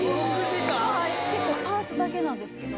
パーツだけなんですけど。